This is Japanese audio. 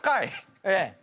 ええ。